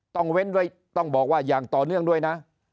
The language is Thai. ต้องเว้นด้วยต้องบอกว่าอย่างต่อเนื่องด้วยนะ